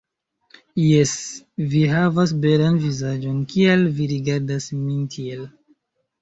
Jes, vi havas belan vizaĝon, kial vi rigardas min tiel?